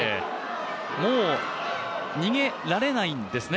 もう逃げられないんですね。